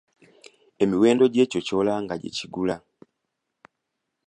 Emiwendo gy'ekyo ky'olanga gyekigula.